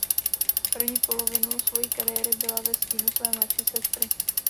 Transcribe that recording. První polovinu svojí kariéry byla ve stínu své mladší sestry.